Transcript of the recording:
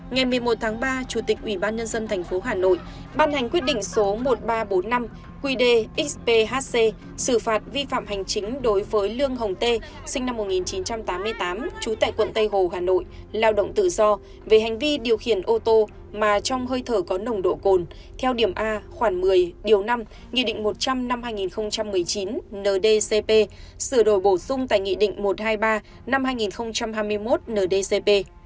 ngày một mươi một tháng ba chủ tịch ubnd tp hà nội ban hành quyết định số một nghìn ba trăm bốn mươi năm qdxphc xử phạt vi phạm hành chính đối với lương hồng tê sinh năm một nghìn chín trăm tám mươi tám trú tại quận tây hồ hà nội lao động tự do về hành vi điều khiển ô tô mà trong hơi thở có nồng độ cồn theo điểm a khoảng một mươi điều năm nghị định một trăm linh năm hai nghìn một mươi chín ndcp xử đổi bổ sung tại nghị định một trăm hai mươi ba năm hai nghìn hai mươi một ndcp